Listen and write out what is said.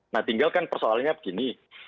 nah tinggalkan persoalannya begini